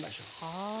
はい。